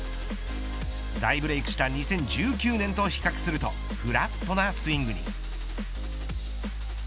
大ブレークした２０１９年と比較するとフラットなスイングに。